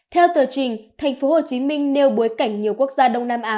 theo tờ trình tp hcm nêu bối cảnh nhiều quốc gia đông nam á